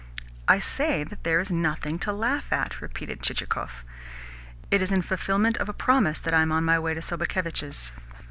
"I say that there is nothing to laugh at," repeated Chichikov. "It is in fulfilment of a promise that I am on my way to Sobakevitch's."